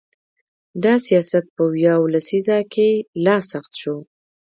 دا سیاست په ویاو لسیزه کې لا سخت شو.